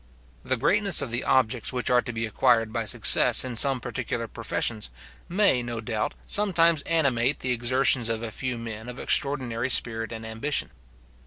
The greatness of the objects which are to be acquired by success in some particular professions may, no doubt, sometimes animate the exertions of a few men of extraordinary spirit and ambition.